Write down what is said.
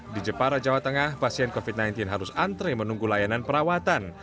di jepara jawa tengah pasien covid sembilan belas harus antre menunggu layanan perawatan